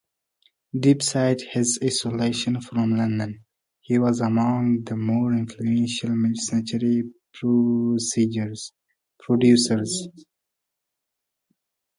Despite his isolation from London, he was among the more influential mid-century producers.